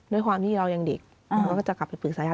ด้วยความที่เรายังเด็กเราก็จะกลับไปปรึกษา